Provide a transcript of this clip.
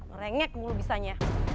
ngerengek mulu bisanya